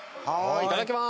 いただきます。